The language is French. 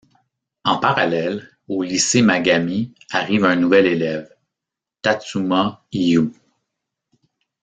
En parallèle, au Lycée Magami arrive un nouvel élève: Tatsuma Hiyū.